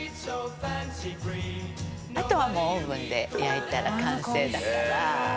あとはもうオーブンで焼いたら完成だから。